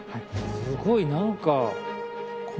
すごい。何か。